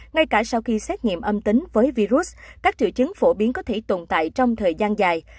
ngay cả sau khi xét nghiệm âm tính với virus các triệu chứng phổ biến có thể tồn tại trong thời gian dài